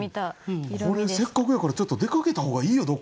これせっかくやからちょっと出かけた方がいいよ